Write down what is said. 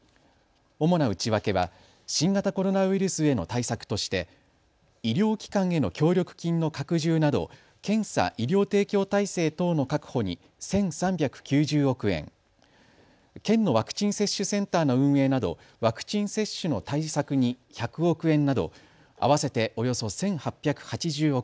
主な内訳は新型コロナウイルスへの対策として医療機関への協力金の拡充など検査・医療提供体制等の確保に１３９０億円、県のワクチン接種センターの運営などワクチン接種の対策に１００億円など合わせておよそ１８８０億円。